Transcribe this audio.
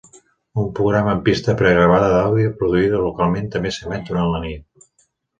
Un programa amb pista pre-gravada d'àudio produïda localment també s'emet durant la nit.